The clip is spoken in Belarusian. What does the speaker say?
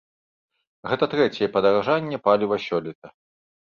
Гэта трэцяе падаражанне паліва сёлета.